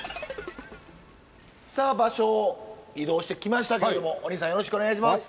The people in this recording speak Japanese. さあ場所を移動してきましたけれどもお兄さんよろしくお願いします。